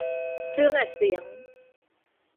เครื่องอัดเสียง